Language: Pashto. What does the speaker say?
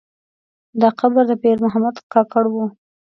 دا قبر د پیر محمد کاکړ و.